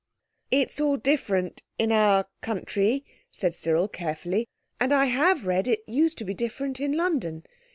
"It's all different in our country," said Cyril carefully; and I have read it used to be different in London.